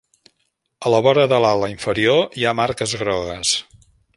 A la vora de l'ala inferior hi ha marques grogues.